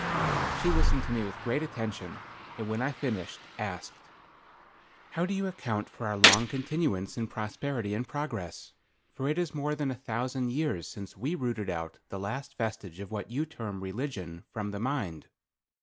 She listened to me with great attention, and when I had finished, asked: "How do you account for our long continuance in prosperity and progress, for it is more than a thousand years since we rooted out the last vestige of what you term religion, from the mind.